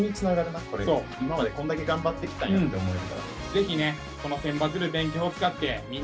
今まで、こんだけ頑張ってきたんやって思えるから。